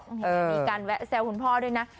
มีการแซวคุณพ่อด้วยนะ